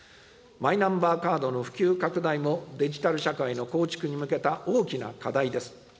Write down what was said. マイナンバーカードの普及拡大もデジタル社会の構築に向けた大きな課題です。